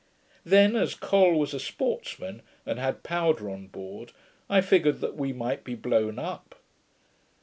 Then, as Col was a sportman, and had powder on board, I figured that we might be blown up.